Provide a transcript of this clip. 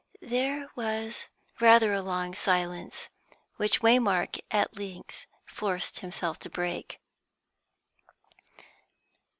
There was rather a long silence, which Waymark at length forced himself to break.